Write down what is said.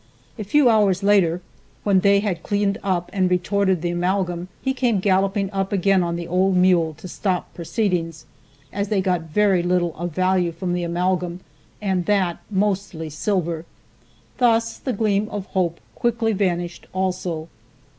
A few hours later, when they had cleaned up and retorted the amalgam he came galloping up again on the old mule to stop proceedings, as they got very little of value from the amalgam, and that mostly silver. Thus that gleam of hope quickly vanished also.